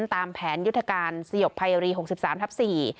ตามแผนยุทธการสยบภัยรีหกสิบสามทับสี่